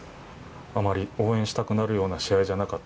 あまり応援したくなるような試合じゃなかった。